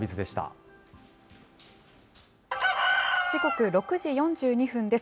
時刻６時４２分です。